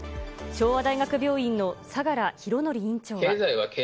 昭和大学病院の相良博典院長は。